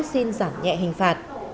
xin giảm nhẹ hình phạt